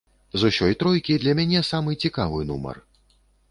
З усёй тройкі для мяне самы цікавы нумар.